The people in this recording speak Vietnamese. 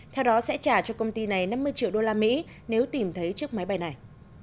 theo đó sẽ trả cho công ty này năm mươi triệu đô la mỹ nếu tìm thấy chiếc máy bay này